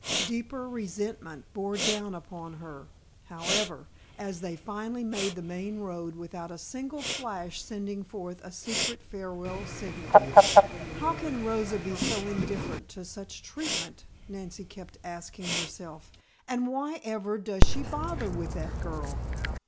Deeper resentment bore down upon her, however, as they finally made the main road without a single flash sending forth a secret farewell signal. "How can Rosa be so indifferent to such treatment?" Nancy kept asking herself. "And why ever does she bother with that girl?"